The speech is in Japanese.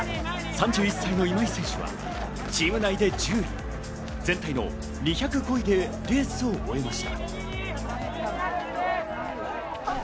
３１歳の今井選手はチーム内で１０位、全体の２０５位でレースを終えました。